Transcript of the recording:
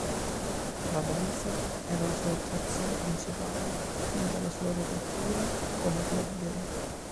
La danza era la sua attrazione principale fin dalla sua riapertura come club gay.